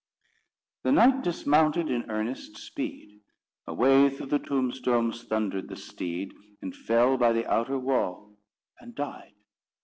The knight dismounted in earnest speed; Away through the tombstones thundered the steed, And fell by the outer wall, and died.